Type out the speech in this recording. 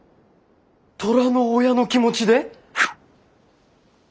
虎の親の気持ちで？